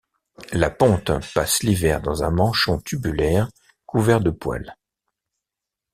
La ponte passe l'hiver dans un manchon tubulaire couvert de poils.